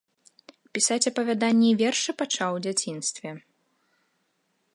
Пісаць апавяданні і вершы пачаў у дзяцінстве.